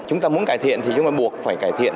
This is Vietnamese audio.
chúng ta muốn cải thiện thì chúng ta buộc phải cải thiện